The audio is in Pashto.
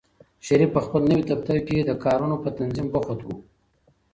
شریف په خپل نوي دفتر کې د کارونو په تنظیم بوخت و.